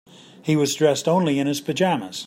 He was dressed only in his pajamas.